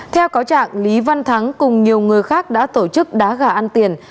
theo cáo trạng lý văn thắng cùng nhiều người khác đã tổ chức đá gà ăn tiền